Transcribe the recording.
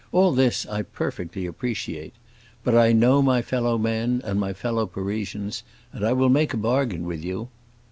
All this I perfectly appreciate. But I know my fellow men and my fellow Parisians, and I will make a bargain with you."